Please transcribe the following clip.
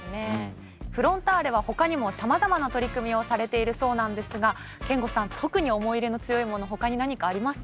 フロンターレはほかにもさまざまな取り組みをされているそうなんですが憲剛さん特に思い入れの強いものほかに何かありますか。